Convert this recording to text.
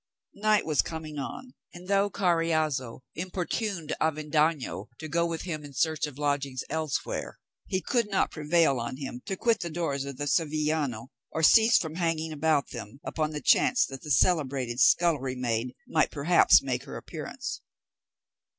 Night was coming on, and though Carriazo importuned Avendaño to go with him in search of lodgings elsewhere, he could not prevail on him to quit the doors of the Sevillano, or cease from hanging about them, upon the chance that the celebrated scullery maid might perhaps make her appearance.